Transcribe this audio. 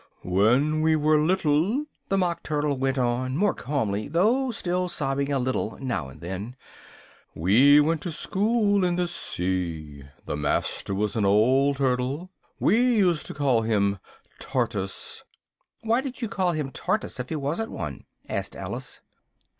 "When we were little," the Mock Turtle went on, more calmly, though still sobbing a little now and then, "we went to school in the sea. The master was an old Turtle we used to call him Tortoise " "Why did you call him Tortoise, if he wasn't one?" asked Alice.